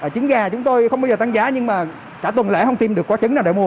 trứng gà chúng tôi không bao giờ tăng giá nhưng mà cả tuần lễ không tìm được quả trứng nào để mua